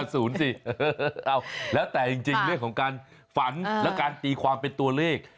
เอาแล้วแต่จริงเรื่องของการฝันและการตีความเป็นตัวเลข